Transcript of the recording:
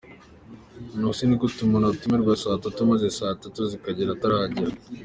Ubwo se ni gute umuntu atumirwa saa tatu, maze saa tanu zikagera atarahagera?”.